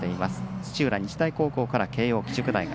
土浦日大高校から慶応義塾大学。